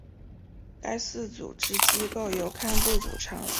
该寺组织机构由堪布组成。